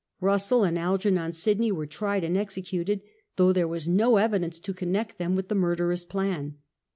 Russell and Algernon Sydney were tried and executed, though there was no evidence to connect them with the murderous plan.